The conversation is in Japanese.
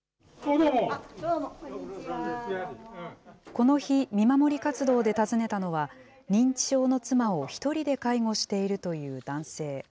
この日、見守り活動で訪ねたのは、認知症の妻を１人で介護しているという男性。